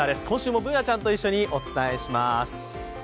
今週もＢｏｏｎａちゃんと一緒にお伝えします。